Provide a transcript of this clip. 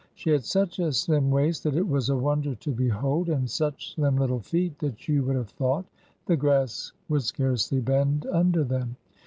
She had such a slim waist that it was a wonder to behold; and such slim Uttle feet that you would have thought the grass would scarcely bend under them.